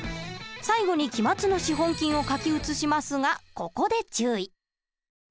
最後に期末の資本金を書き写しますがここで注意。